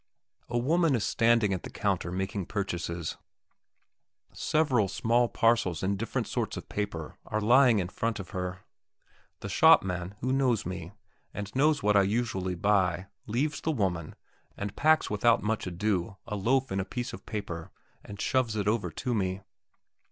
A woman is standing at the counter making purchases; several small parcels in different sorts of paper are lying in front of her. The shopman, who knows me, and knows what I usually buy, leaves the woman, and packs without much ado a loaf in a piece of paper and shoves it over to me.